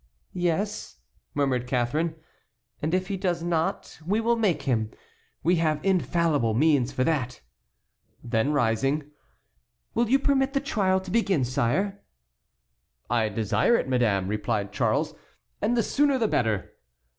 "Yes," murmured Catharine, "and if he does not, we will make him. We have infallible means for that." Then rising: "Will you permit the trial to begin, sire?" "I desire it, madame," replied Charles, "and the sooner the better."